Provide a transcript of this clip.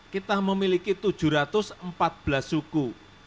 kita memiliki tujuh ratus empat belas suku